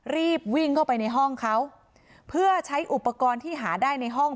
รีบวิ่งเข้าไปในห้องเขาเพื่อใช้อุปกรณ์ที่หาได้ในห้อง